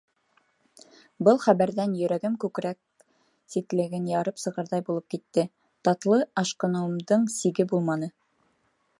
Был хәбәрҙән йөрәгем күкрәк ситлеген ярып сығырҙай булып типте, татлы ашҡыныуымдың сиге булманы.